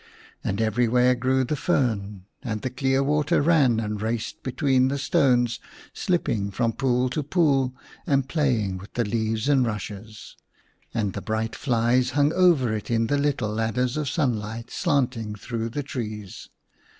And everywhere grew the fern, and the clear water ran and raced between the stones, slipping from pool to pool and play ing with the leaves and rushes ; and the bright flies hung over it in the little ladders of sunlight slanting through the trees.